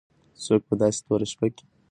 څوک په داسې توره شپه کې د کوټې ور وهي؟